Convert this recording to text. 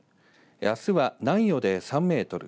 あすは南予で３メートル